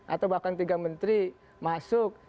atau bahkan tiga menteri masuk